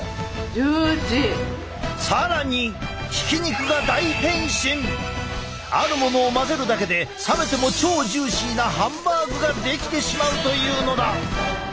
更にあるものを混ぜるだけで冷めても超ジューシーなハンバーグが出来てしまうというのだ。